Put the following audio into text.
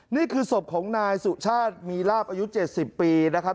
นี่คือศพของนายสุชาติมีลาบอายุ๗๐ปีนะครับ